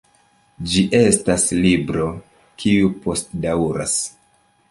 Ĝi estas libro kiu postdaŭras.